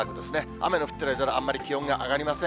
雨の降ってる間、あんまり気温が上がりません。